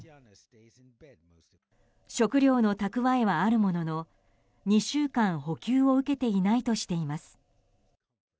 食料の蓄えはあるものの２週間、補給を受けていないとしています。